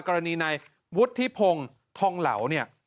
กรณีในวุฒิทธิพงศ์ทองเหลา